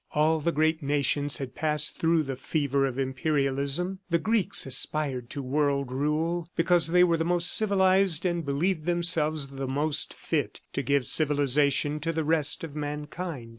All the great nations had passed through the fever of Imperialism. The Greeks aspired to world rule because they were the most civilized and believed themselves the most fit to give civilization to the rest of mankind.